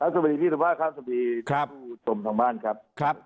สวัสดีพี่ทศภาครับสวัสดีผู้จมทางบ้านครับ